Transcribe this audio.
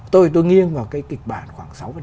tôi nghiêng vào cái kịch bản khoảng sáu